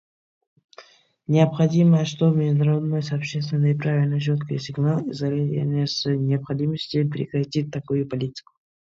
Необходимо, чтобы международное сообщество направило четкий сигнал Израилю о необходимости прекратить такую политику.